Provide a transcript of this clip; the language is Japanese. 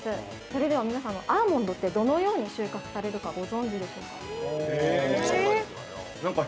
それでは、皆様、アーモンドってどのように収獲されるかご存じでしょうか。